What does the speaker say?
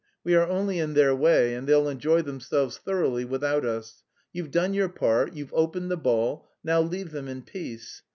We are only in their way and they'll enjoy themselves thoroughly without us. You've done your part, you've opened the ball, now leave them in peace.